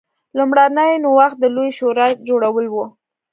لومړنی نوښت د لویې شورا جوړول و.